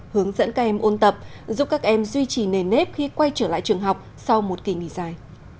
hướng dẫn các em ôn tập giúp các em duy trì nền nếp khi quay trở lại trường học sau một kỳ nghỉ dài